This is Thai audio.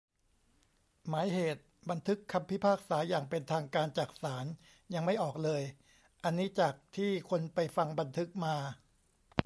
หมายเหตุ : บันทึกคำพิพากษาอย่างเป็นทางการจากศาล ยังไม่ออกเลย. อันนี้จากที่คนไปฟังบันทึกมา